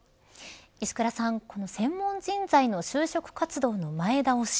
石倉さん、この専門人材の就職活動の前倒し